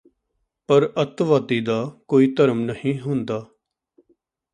ਪਰ ਅੱਤਵਾਦੀ ਦਾ ਕੋਈ ਧਰਮ ਨਹੀਂ ਹੁੰਦਾ